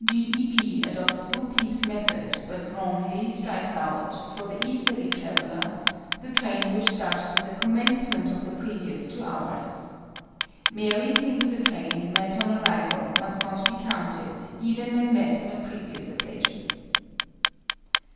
G. E. B. adopts BO PEEP'S method, but (wrongly) strikes out (for the easterly traveller) the train which started at the commencement of the previous 2 hours. MARY thinks a train, met on arrival, must not be counted, even when met on a previous occasion.